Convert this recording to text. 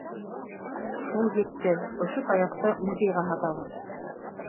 Шул етте, ошо таяҡты музейға һатабыҙ.